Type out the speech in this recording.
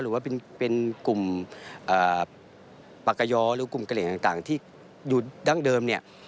หรือว่าเป็นกลุ่มปากกยอหรือกลุ่มกระเหลี่ยต่างที่อยู่ดั้งเดิมเนี่ย